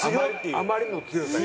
あまりの強さに。